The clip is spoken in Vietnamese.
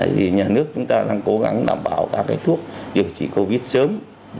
thì nhà nước chúng ta đang cố gắng đảm bảo các cái thuốc điều trị covid sớm